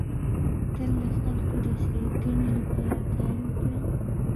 تل د خلکو د ښيګڼي لپاره کار وکړه.